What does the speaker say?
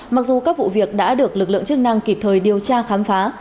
mặc dù các vụ việc đã được lực lượng chức năng kịp thời điều tra khám phá